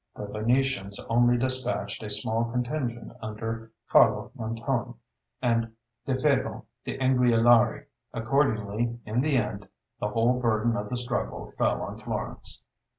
The Venetians only despatched a small contingent under Carlo Montone and Diefebo d'Anguillari; accordingly, in the end, the whole burden of the struggle fell on Florence.